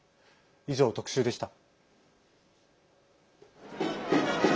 以上、特集でした。